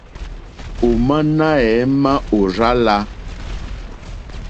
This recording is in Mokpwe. Ò má náɛ̌má ò rzá lā.